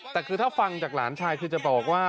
แต่คือถ้าฟังจากหลานชายคือจะบอกว่า